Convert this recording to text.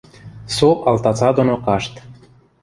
Со алтаца доно кашт.